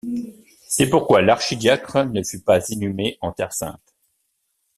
C’est pourquoi l’archidiacre ne fut pas inhumé en terre sainte.